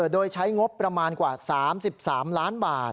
โดยใช้งบประมาณกว่า๓๓ล้านบาท